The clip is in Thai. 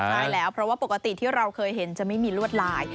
ใช่แล้วเพราะว่าปกติที่เราเคยเห็นจะไม่มีลวดลาย